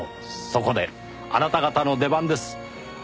そこであなた方の出番です。